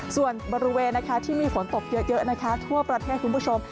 ส่วนบริเวณที่มีฝนตกเยอะนะคะทั่วประเทศคุณผู้ชม